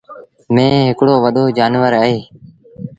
ميݩهن هڪڙو وڏو جآݩور اهي۔